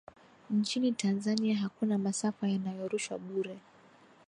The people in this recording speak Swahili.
nchini tanzania hakuna masafa yanayorushwa bure